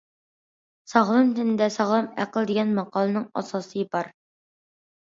« ساغلام تەندە ساغلام ئەقىل» دېگەن ماقالىنىڭ ئاساسى بار.